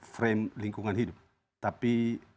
frame lingkungan hidup tapi